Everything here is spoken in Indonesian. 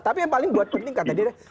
tapi yang paling buat penting kata dia